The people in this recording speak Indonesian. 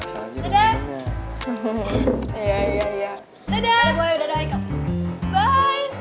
girls kayaknya kalian harus bantuin gue deh